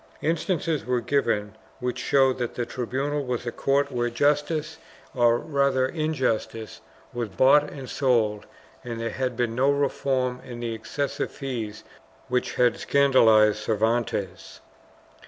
Instances were given which showed that the tribunal was a court where justice — or rather injustice — was bought and sold and there had been no reform in the excessive fees which had scandalized Cervantes.